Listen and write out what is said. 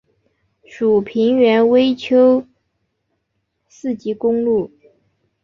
属平原微丘四级公路。